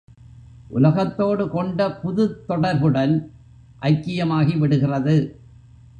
உலகத்தோடு கொண்ட புதுத் தொடர்புடன் ஐக்கியமாகி விடுகிறது.